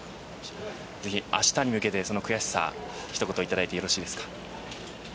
ぜひ、明日に向けて悔しさ、一言いただいてよろしいですか。